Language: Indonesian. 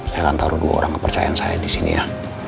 saya akan taruh dua orang kepercayaan saya disini ya